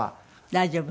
大丈夫。